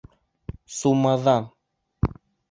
Сумаҙан!